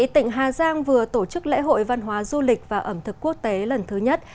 tỉnh hà giang vừa tổ chức lễ hội văn hóa du lịch và ẩm thực quốc tế lần thứ nhất